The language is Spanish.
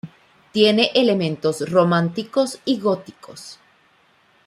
Tiene elementos románicos y góticos.